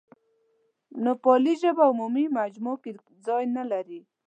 نوپالي ژبه عمومي مجامعو کې ځای نه لري.